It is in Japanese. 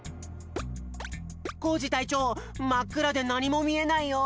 コージたいちょうまっくらでなにもみえないよ。